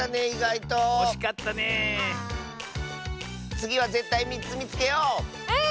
つぎはぜったい３つみつけよう！